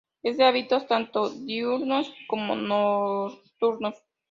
Es de hábitos tanto diurnos como nocturnos.